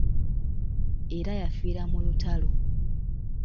Era yafiira mu lutalo.